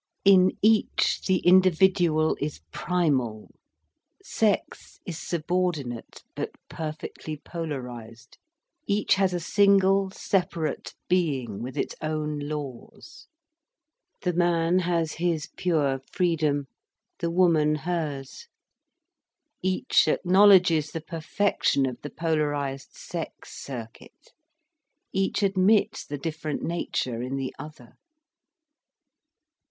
In each, the individual is primal, sex is subordinate, but perfectly polarised. Each has a single, separate being, with its own laws. The man has his pure freedom, the woman hers. Each acknowledges the perfection of the polarised sex circuit. Each admits the different nature in the other.